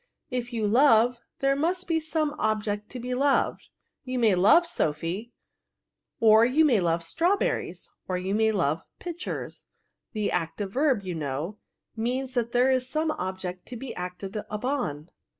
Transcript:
If you love, there must be some ob ject to be loved : you may love Sophy, or you may love strawberries, or you may love pictures ; the active verb, you know, means that there is some object to be acted on.